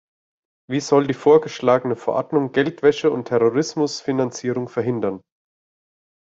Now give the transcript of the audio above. Wie soll die vorgeschlagene Verordnung Geldwäsche und Terrorismusfinanzierung verhindern?